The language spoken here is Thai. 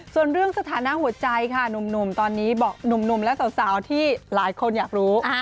ส่วนเรื่องสถานะหัวใจค่ะหนุ่มตอนนี้บอกหนุ่มและสาวที่หลายคนอยากรู้